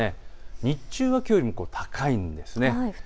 日中はきょうより気温が高いんです。